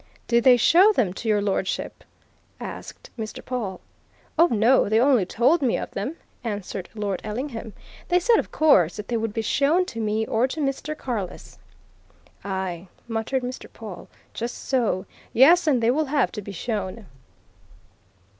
"Did they show them to Your Lordship?" asked Mr. Pawle. "Oh, no! they only told me of them," answered Lord Ellingham. "They said, of course, that they would be shown to me, or to Mr. Carless." "Aye!" muttered Mr. Pawle. "Just so! Yes, and they will have to be shown!"